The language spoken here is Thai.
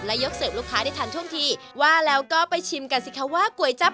และยกเสิร์ฟลูกค้าได้ทันท่วงทีว่าแล้วก็ไปชิมกันสิคะว่าก๋วยจับ